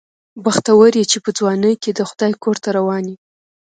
بختور یې چې په ځوانۍ کې د خدای کور ته روان یې.